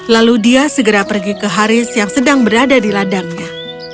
lalu dia segera pergi ke haris yang sedang berada di ladangnya